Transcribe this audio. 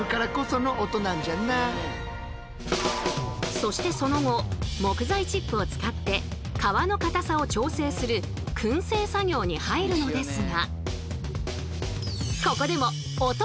そしてその後木材チップを使って皮のかたさを調整するくん製作業に入るのですが。